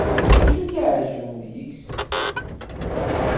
D acu i k-iεeǧben deg-s.